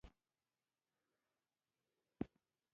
افغانستان تر هغو نه ابادیږي، ترڅو د پانګونې قوانین اسانه نشي.